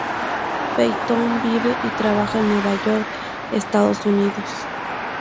Peyton vive y trabaja en Nueva York, Estados Unidos.